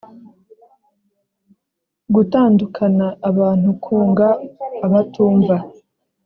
gutandukana abantu kunga abatumva